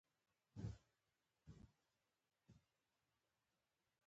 په دې سره د خلكو له اړتياوو سره سم ځينې وړې او غټې پروژې